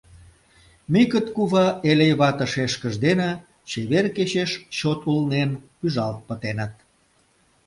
Микыт кува Элей вате шешкыж дене…, чевер кечеш чот улнен, пӱжалт пытеныт.